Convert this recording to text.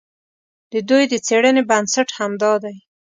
د دوی د څېړنې بنسټ همدا دی.